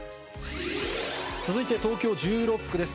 続いて東京１６区です。